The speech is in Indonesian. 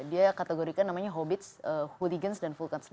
dia kategorikan namanya hobbits hooligans dan vulcans